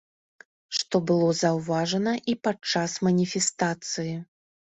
Што было заўважна і падчас маніфестацыі.